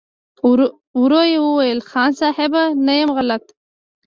ورو يې وويل: خان صيب! نه يم غلط.